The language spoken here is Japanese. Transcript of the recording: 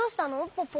ポポ。